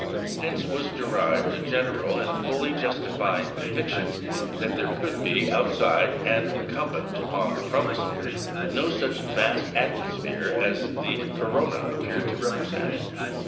Hence was derived a general and fully justified conviction that there could be outside, and incumbent upon the chromosphere, no such vast atmosphere as the corona appeared to represent.